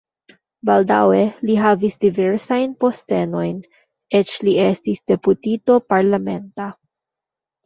Baldaŭe li havis diversajn postenojn, eĉ li estis deputito parlamenta.